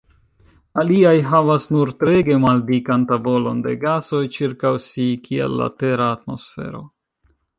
Aliaj havas nur treege maldikan tavolon de gasoj ĉirkaŭ si, kiel la Tera atmosfero.